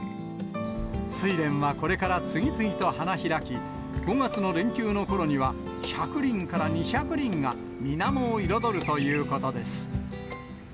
スイレンはこれから次々と花開き、５月の連休のころには１００輪から２００輪が、みなもを彩るということです。